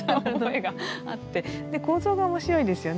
構造が面白いですよね。